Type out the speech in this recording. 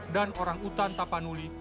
dan orang hutan tapanuli